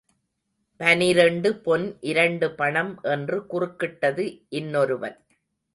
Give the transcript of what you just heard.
பனிரெண்டு பொன் இரண்டு பணம் என்று குறுக்கிட்டது இன்னொருவன்.